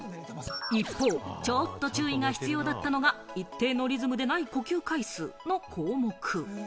一方、ちょっと注意が必要だったのが一定のリズムでない呼吸回数の項目。